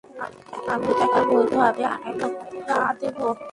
আমি তোমাকে বৈধভাবে আড়াই লক্ষ ফ্রাঁ দেবো।